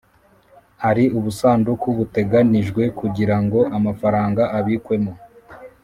Hari ubusanduku buteganyijwe kugira ngo amafaranga abikwemo